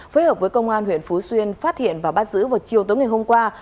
phối hợp với công an huyện phú xuyên phát hiện và bắt giữ vào chiều tối ngày hôm qua